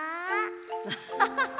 アハハハ！